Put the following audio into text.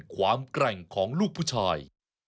แกร่งของลูกผู้ชาย